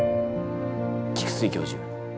菊水教授。